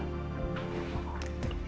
ya pak al